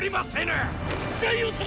大王様！